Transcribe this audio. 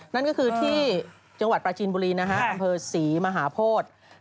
นั่นก็คือที่จังหวัดประชินบุรีอศรีมหาโพธย์